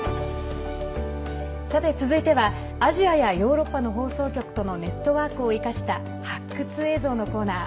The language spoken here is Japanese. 続いてはアジアやヨーロッパの放送局とのネットワークを生かした発掘映像のコーナー。